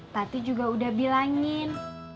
tati juga udah bilangin